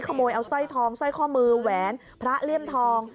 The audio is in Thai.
ขโมยเอาสร้อยทองสร้อยข้อมือแหวนพระเลี่ยมทอง